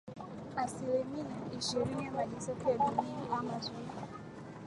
asilimia ishirini ya maji safi ya Duniani Amazon